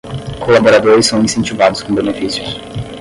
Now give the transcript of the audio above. Colaboradores são incentivados com benefícios